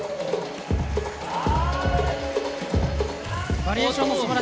バリエーションもすばらしいですね。